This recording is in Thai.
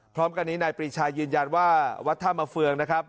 พร้อมกันนี้นายปรีชายืนยันว่าวัดท่ามาเฟืองนะครับ